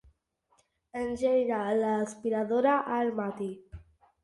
Engega l'aspiradora al matí.